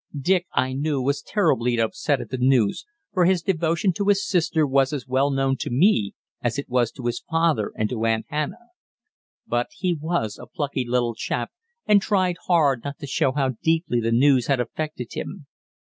Dick, I knew, was terribly upset at the news, for his devotion to his sister was as well known to me as it was to his father and to Aunt Hannah. But he was a plucky little chap, and tried hard not to show how deeply the news had affected him.